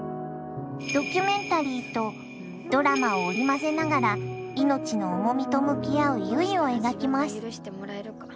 ドキュメンタリーとドラマを織り交ぜながら命の重みと向き合う結を描きます。